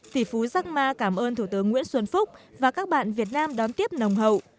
tỷ phú giăng ma cảm ơn thủ tướng nguyễn xuân phúc và các bạn việt nam đón tiếp nồng hậu